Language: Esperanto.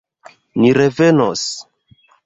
Ni revenos!